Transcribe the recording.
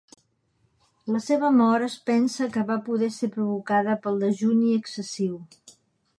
La seva mort es pensa que va poder ser provocada pel dejuni excessiu.